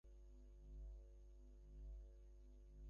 আচ্ছা, তাহলে অন্যকোনো দিন হবে।